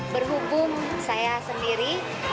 berhubung saya sendiri